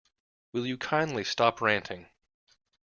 Will you kindly stop ranting?